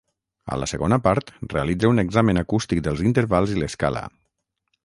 A la segona part realitza un examen acústic dels intervals i l'escala.